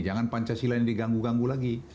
jangan pancasila ini diganggu ganggu lagi